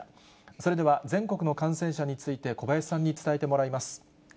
それでは全国の感染者について、小林さんに伝えてもらいます。